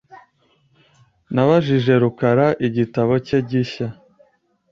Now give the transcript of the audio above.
Nabajije rukara igitabo cye gishya .